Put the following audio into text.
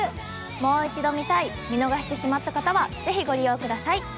もう一度見たい見逃してしまった方はぜひご利用ください。